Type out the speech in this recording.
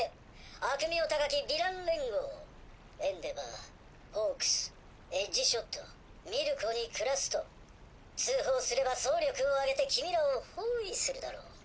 悪名高きヴィラン連合エンデヴァーホークスエッジショットミルコにクラスト通報すれば総力を上げて君らを包囲するだろう。